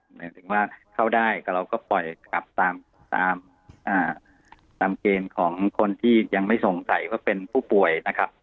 หมายถึงว่าเข้าได้ก็เราก็ปล่อยกลับตามเกณฑ์ของคนที่ยังไม่สงสัยว่าเป็นผู้ป่วยนะครับ